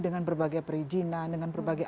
dengan berbagai perizinan dengan berbagai